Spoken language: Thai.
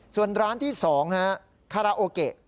ส่วนร้านที่สองฮะคาราโอเก่